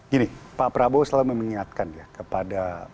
gini pak prabowo selalu mengingatkan ya kepada